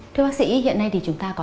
thưa bác sĩ hiện nay thì chúng ta có